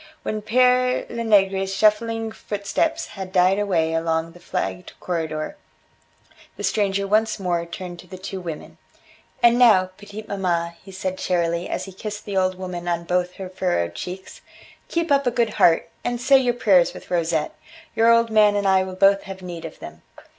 When Pere Lenegre's shuffling footsteps had died away along the flagged corridor, the stranger once more turned to the two women. "And now, petite maman," he said cheerily, as he kissed the old woman on both her furrowed cheeks, "keep up a good heart, and say your prayers with Rosette. Your old man and I will both have need of them."